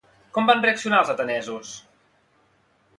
Com van reaccionar els atenesos?